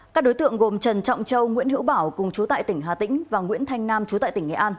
các đối tượng gồm trần trọng châu nguyễn hữu bảo cùng chú tại tỉnh hà tĩnh và nguyễn thanh nam chú tại tỉnh nghệ an